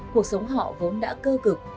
cuộc sống họ vốn đã cơ cực